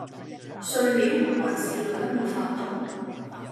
睡了？還是累得沒法動？